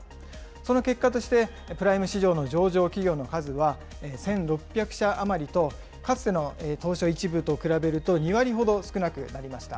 その結果として、プライム市場の上場企業の数は１６００社余りと、かつての東証１部と比べると２割ほど少なくなりました。